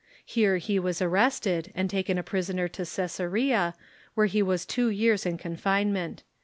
Here he Avas arrested, and taken a prisoner to Ca?sarea, where he Avas two years in confinement.